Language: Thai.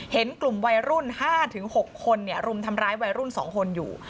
เห็นกลุ่มวัยรุ่น๕๖คนรุมทำร้ายวัยรุ่น๒คนอยู่